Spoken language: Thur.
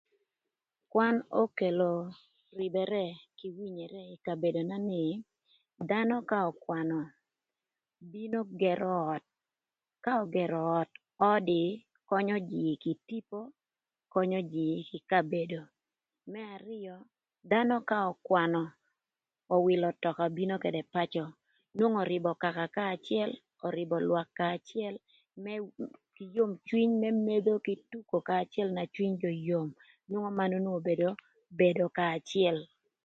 Kwan okelo rïbërë kï winyere ï kabedona ni, dhanö ka ökwanö bino gërö öt, ka ögërö öt, ödï könyö jïï kï tipo, könyö jïï kï kabedo, më arïö dhanö ka ökwanö öwïlö ötöka obino këdë pacö nwongo örïbö kaka kanya acël, örïbö lwak kanya acël më bedo kï yom cwiny, n'emedho kï tuko kanya acël na cwiny jö yom nwongo manön obedo bedo kanya acël